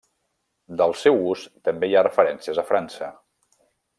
Del seu ús també hi ha referències a França.